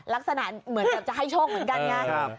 ลักษณะเหมือนกับจะให้โชคเหมือนกันไง